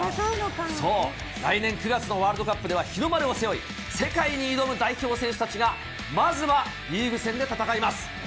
来年９月のワールドカップでは日の丸を背負い、世界に挑む代表選手たちが、まずはリーグ戦で戦います。